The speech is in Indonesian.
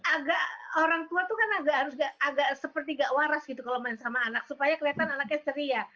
agak orang tua tuh kan agak seperti gak waras gitu kalau main sama anak supaya kelihatan anaknya ceria